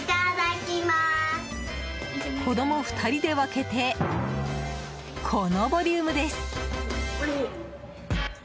子供２人で分けてこのボリュームです！